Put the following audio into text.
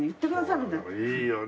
いいよね。